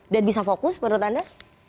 dan bisa fokus menurut anda